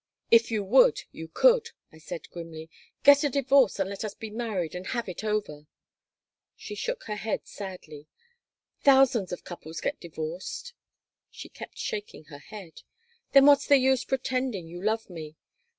"If you would you could," I said, grimly. "Get a divorce and let us be married and have it over." She shook her head sadly "Thousands of couples get divorced." She kept shaking her head "Then what's the use pretending you love me?"